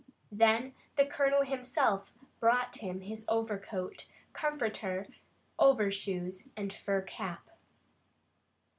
Then the Colonel himself brought him his overcoat, comforter, overshoes, and fur cap.